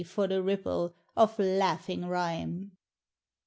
for the ripple of laughing rhyme